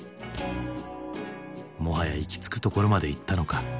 もはや行き着くところまでいったのか。